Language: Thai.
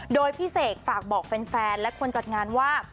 โดยพี่เสกฝากบอกแฟนและคนจัดงานว่า